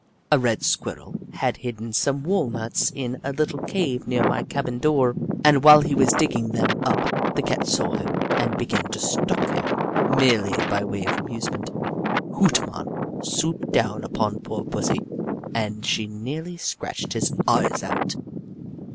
A red Squirrel had hidden some walnuts in a little cave near my cabin door, and while he was digging them up, the Cat saw him and began to stalk him, merely by way of amusement. Hoot Mon swooped down upon poor pussy, and she nearly scratched his eyes out.